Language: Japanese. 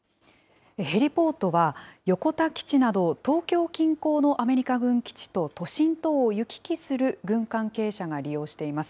へリポートは、横田基地など東京近郊のアメリカ軍基地と都心とを行き来する軍関係者が利用しています。